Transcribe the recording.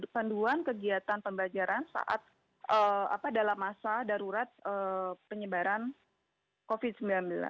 panduan kegiatan pembelajaran saat dalam masa darurat penyebaran covid sembilan belas